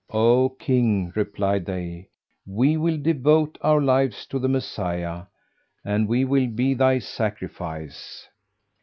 "O King," replied they, "we will devote our lives to the Messiah, and we will be thy sacrifice."